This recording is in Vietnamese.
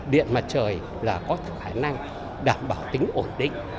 điện mặt trời là có khả năng đảm bảo tính ổn định